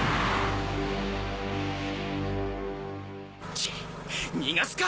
チッ逃がすか！